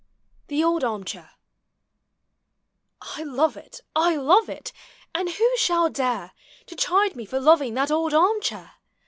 THE OLD ARM CHAIR. I love it, I love it! and who shall dare To chide me for loving that old arm chair?